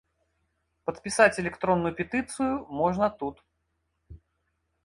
Падпісаць электронную петыцыю можна тут.